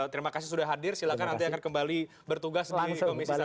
terima kasih sudah hadir silahkan nanti akan kembali bertugas di komisi satu